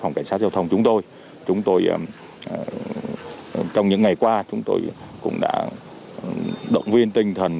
phòng cảnh sát giao thông chúng tôi chúng tôi trong những ngày qua chúng tôi cũng đã động viên tinh thần